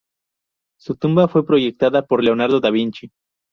Su tumba fue proyectada por Leonardo da Vinci.